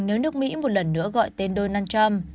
nếu nước mỹ một lần nữa gọi tên donald trump